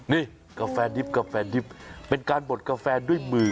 นี่กาแฟดิบกาแฟดิบเป็นการบดกาแฟด้วยมือ